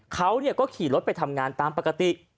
เขาก็ขี่รถไปทำงานตามปกติ